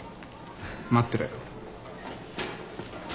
待ってろよ。